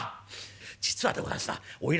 「実はでございますな花魁